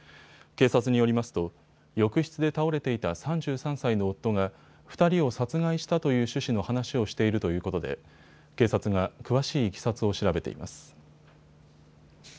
警察によりますと浴室で倒れていた３３歳の夫が２人を殺害したという趣旨の話をしているということで警察が詳しいいきさつを調べています。